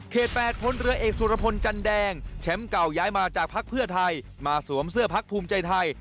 ๘พลเรือเอกสุรพลจันแดงแชมป์เก่าย้ายมาจากภักดิ์เพื่อไทยมาสวมเสื้อพักภูมิใจไทย